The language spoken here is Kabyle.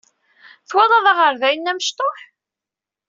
Twalaḍ aɣerday-nni amecṭuḥ?